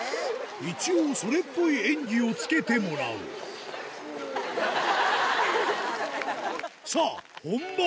一応それっぽい演技をつけてもらうさぁ本番